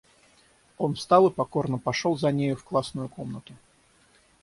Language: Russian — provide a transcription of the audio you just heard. Он встал и покорно пошел за нею в классную комнату.